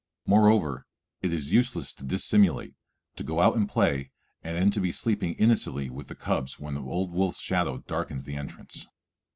Moreover, it is useless to dissimulate, to go out and play and then to be sleeping innocently with the cubs when the old wolf's shadow darkens the entrance.